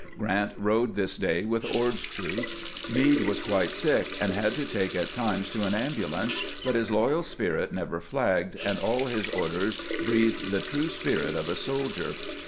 Grrant rode this day with Ord's troops. Meade was quite sick, and had to take at times to an ambulance; but his loyal spirit never flagged, and all his orders breathed the true spirit of a soldier.